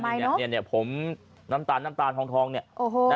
ทำไมเนอะเนี่ยเนี่ยเนี่ยผมน้ำตาลน้ำตาลทองทองเนี่ยโอ้โห